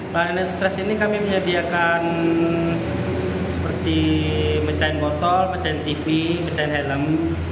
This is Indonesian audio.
planet stres ini kami menyediakan seperti mecahin botol mecahin tv mecahin helm